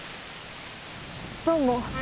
どうも。